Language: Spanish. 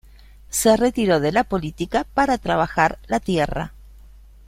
Se retiró de la política para trabajar la tierra.